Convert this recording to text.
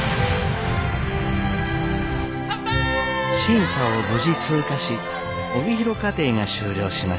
審査を無事通過し帯広課程が終了しました。